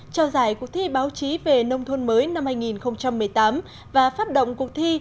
trao giải cuộc thi báo chí về nông thôn mới năm hai nghìn một mươi tám và phát động cuộc thi